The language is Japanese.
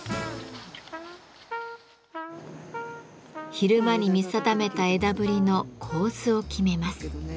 昼間に見定めた枝ぶりの構図を決めます。